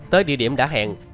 tới địa điểm đã hẹn